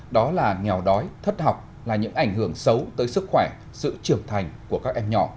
đó là nghèo đói thất học là những ảnh hưởng xấu tới sức khỏe sự trưởng thành của các em nhỏ